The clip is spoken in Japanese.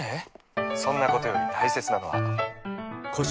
そんなことより大切なのは